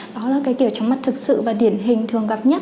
đó là cái tiểu chóng mặt thực sự và điển hình thường gặp nhất